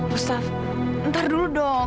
gustaf ntar dulu dong